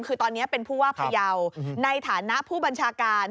คือตอนนี้เป็นผู้ว่าพยาวในฐานะผู้บัญชาการ